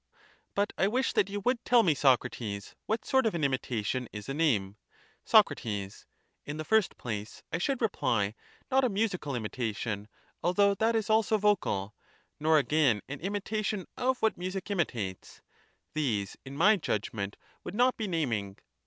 But I wish that you would tell me, Socrates, what sort of an imitation is a name? Soc. In the first place, I should reply, not a musical imitation, although that is also vocal ; nor, again, an imitation of what music imitates ; these, in my judgment, would not be like that of a naming.